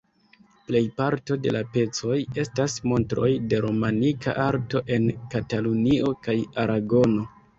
Plej parto de la pecoj estas montroj de romanika arto en Katalunio kaj Aragono.